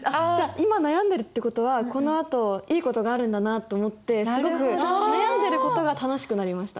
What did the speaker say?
今悩んでるって事はこの後いい事があるんだなと思ってすごく悩んでる事が楽しくなりました。